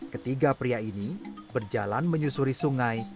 ketiga pria ini berjalan menyusuri sungai